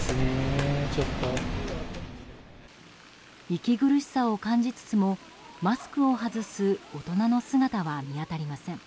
息苦しさを感じつつもマスクを外す大人の姿は見当たりません。